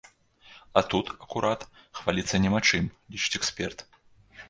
А тут, акурат, хваліцца няма чым, лічыць эксперт.